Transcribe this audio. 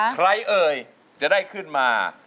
เอ่ยจะได้ขึ้นมา